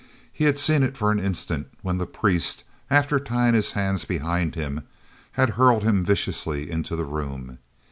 He had seen it for an instant when the priest, after tying his hands behind him, had hurled him viciously into the room.